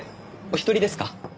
お一人ですか？